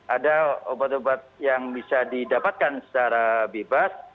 ada obat obat yang bisa didapatkan secara bebas